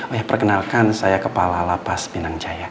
oh ya perkenalkan saya kepala lapas binang jaya